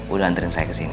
udah nantriin saya kesini